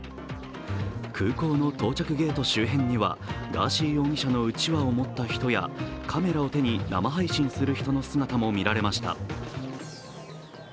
空港の到着ゲート周辺にはガーシー容疑者のうちわを持った人やカメラを手に生配信する人の姿も見られました。